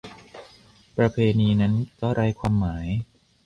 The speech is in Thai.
ประเพณีนั้นก็ไร้ความหมาย